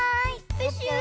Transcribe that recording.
プシュー！